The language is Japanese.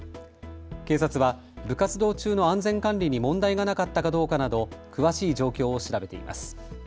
警察は部活動中の安全管理に問題がなかったかどうかなど詳しい状況を調べています。